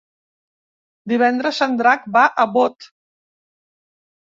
Divendres en Drac va a Bot.